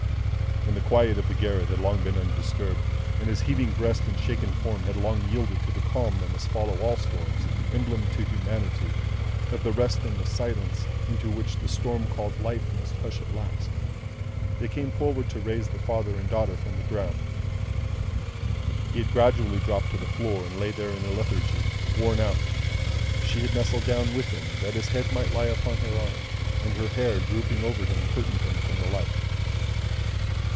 When the quiet of the garret had been long undisturbed, and his heaving breast and shaken form had long yielded to the calm that must follow all storms emblem to humanity, of the rest and silence into which the storm called Life must hush at last they came forward to raise the father and daughter from the ground. He had gradually dropped to the floor, and lay there in a lethargy, worn out. She had nestled down with him, that his head might lie upon her arm; and her hair drooping over him curtained him from the light.